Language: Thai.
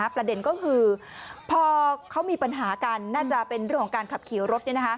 ประเด็นก็คือพอเขามีปัญหากันน่าจะเป็นเรื่องของการขับขี่รถ